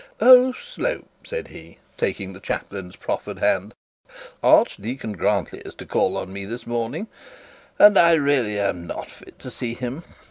'Oh, Slope,' said he, taking the chaplain's proffered hand. 'Archdeacon Grantly is to call on me this morning, and I really am not fit to see him.